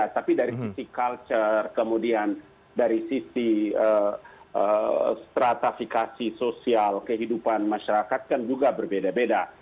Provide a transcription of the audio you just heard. tapi dari sisi culture kemudian dari sisi stratifikasi sosial kehidupan masyarakat kan juga berbeda beda